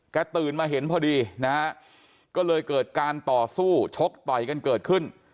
ตื่นมาเห็นพอดีนะฮะก็เลยเกิดการต่อสู้ชกต่อยกันเกิดขึ้น